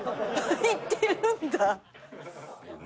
行ってるんだ。